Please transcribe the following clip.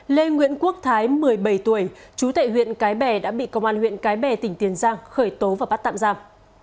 lê nguyễn quốc thái một mươi bảy tuổi chú tại huyện cái bè đã bị công an huyện cái bè tỉnh tiền giang khởi tố và bắt tạm giam